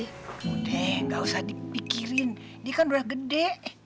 udah gak usah dipikirin dia kan udah gede